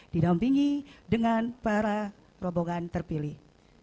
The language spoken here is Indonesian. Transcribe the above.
didampingi dengan para rombongan terpilih